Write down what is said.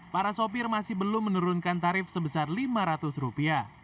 para sopir masih belum menurunkan tarif sebesar rp lima ratus